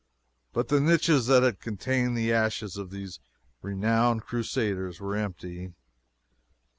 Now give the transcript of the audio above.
But the niches that had contained the ashes of these renowned crusaders were empty.